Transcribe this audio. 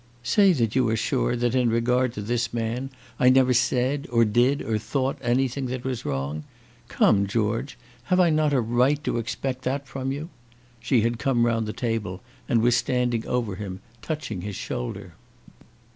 "Say that you are sure that in regard to this man I never said, or did, or thought anything that was wrong. Come, George, have I not a right to expect that from you?" She had come round the table and was standing over him, touching his shoulder.